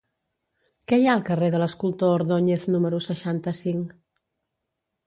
Què hi ha al carrer de l'Escultor Ordóñez número seixanta-cinc?